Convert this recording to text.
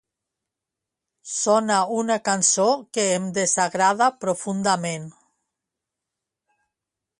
Sona una cançó que em desagrada profundament.